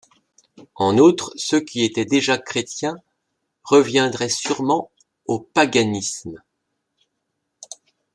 En outre, ceux qui étaient déjà chrétiens reviendraient sûrement au paganisme.